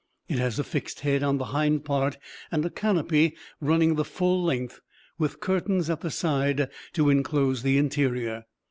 It has a fixed head on the hind part and a canopy running the full length, with curtains at the side to inclose the interior.